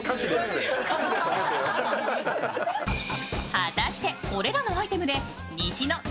果たしてこれらのアイテムで西のＢ